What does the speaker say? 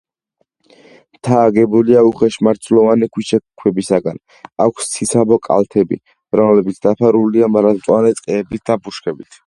მთა აგებულია უხეშმარცვლოვანი ქვიშაქვებისაგან, აქვს ციცაბო კალთები, რომლებიც დაფარულია მარადმწვანე ტყეებით და ბუჩქებით.